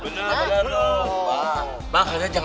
ternyata eh ternyata abah menggol kemana